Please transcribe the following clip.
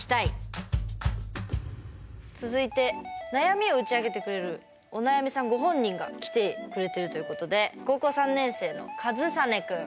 続いて悩みを打ち明けてくれるお悩みさんご本人が来てくれているということで高校３年生のかずさねくん。